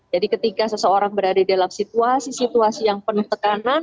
jadi ketika seseorang berada dalam situasi situasi yang penuh tekanan